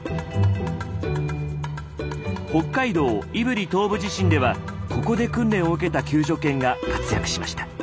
北海道胆振東部地震ではここで訓練を受けた救助犬が活躍しました。